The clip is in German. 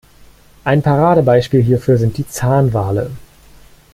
Ein Paradebeispiel hierfür sind die Zahnwale.